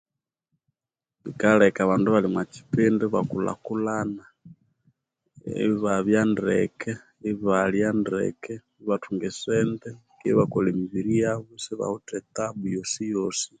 Kyikaleka abandu abali omwa kyipindi ibakulhakulhana ibabya ndeke ibalya ndeke ibathunga esente ibakolha emibiri yabo isibawithe etabu yosiyosi.